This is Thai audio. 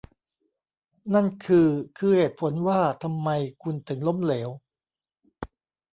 นั่นคือคือเหตุผลว่าทำไมคุณถึงล้มเหลว